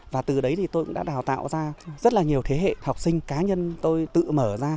và từ đấy thì tôi cũng đã đào tạo ra rất là nhiều thế hệ học sinh cá nhân tôi tự mở ra